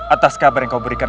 atas kabar yang kau berikan